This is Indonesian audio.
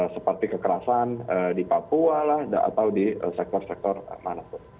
seperti kekerasan di papua lah atau di sektor sektor manapun